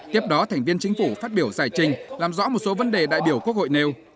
tiếp đó thành viên chính phủ phát biểu giải trình làm rõ một số vấn đề đại biểu quốc hội nêu